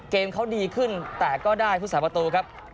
เกมเขาดีขึ้นแต่ก็ได้พุทธศาสประตูครับ